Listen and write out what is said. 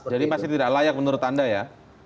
jadi masih tidak layak menurut anda ya